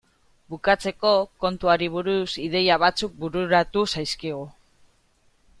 Bukatzeko, kontuari buruz ideia batzuk bururatu zaizkigu.